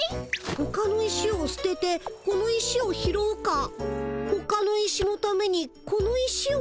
ほかの石をすててこの石を拾うかほかの石のためにこの石をすてるか。